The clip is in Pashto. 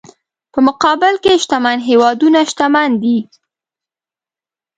په مقابل کې شتمن هېوادونه شتمن دي.